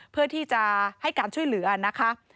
เพื่อที่จะให้การช่วยเหลือนะคะ